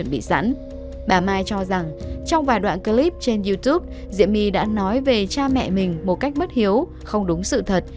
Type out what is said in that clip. bà mai cho rằng trong vài đoạn clip trên youtube diệm my đã nói về cha mẹ mình một cách bất hiếu không đúng sự thật